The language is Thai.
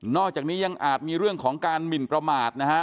อกจากนี้ยังอาจมีเรื่องของการหมินประมาทนะฮะ